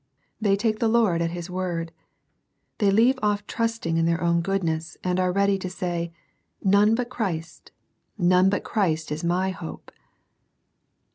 They take the Lord at His word ; they leave oflf trusting in their own goodness, and are ready to say, " None but Christ, none but Christ is my hope."